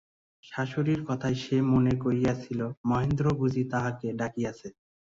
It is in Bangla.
শাশুড়ির কথায় সে মনে করিয়াছিল, মহেন্দ্র বুঝি তাহাকে ডাকিয়াছে।